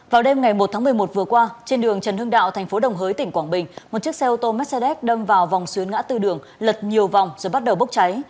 vào đêm ngày một tháng một mươi một vừa qua trên đường trần hưng đạo thành phố đồng hới tỉnh quảng bình một chiếc xe ô tô mercedes đâm vào vòng xuyến ngã tư đường lật nhiều vòng rồi bắt đầu bốc cháy